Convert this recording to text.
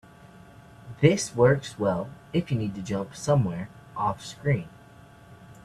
This works well if you need to jump somewhere offscreen.